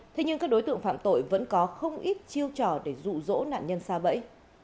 thế nhưng các đối tượng phạm tội vẫn có không ít chiêu trò để rụ rỗ nạn nhân xa bẫy